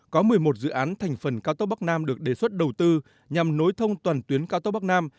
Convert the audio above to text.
có một mươi một dự án thành phần cao tốc bắc nam được đề xuất đầu tư nhằm nối thông toàn tuyến cao tốc bắc nam